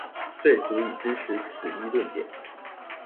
最足以支持此一論點？